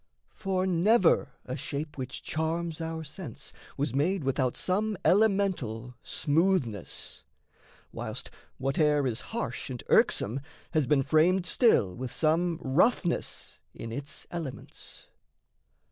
For never a shape which charms our sense was made Without some elemental smoothness; whilst Whate'er is harsh and irksome has been framed Still with some roughness in its elements.